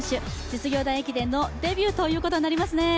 実業団駅伝のデビューということになりますね。